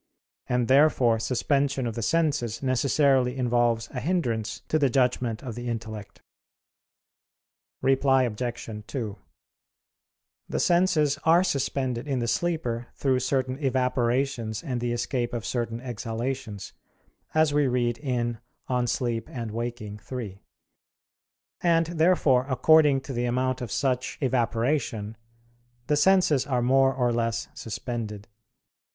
And therefore suspension of the senses necessarily involves a hindrance to the judgment of the intellect. Reply Obj. 2: The senses are suspended in the sleeper through certain evaporations and the escape of certain exhalations, as we read in De Somn. et Vigil. iii. And, therefore, according to the amount of such evaporation, the senses are more or less suspended.